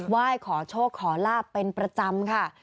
ไหว้ขอโชคขอลาบเป็นประจำค่ะ